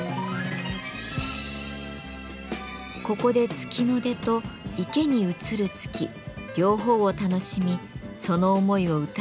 ここで月の出と池に映る月両方を楽しみその思いを歌にしました。